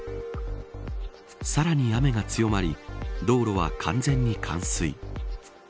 さらに雨が強まり道路は完全に冠水。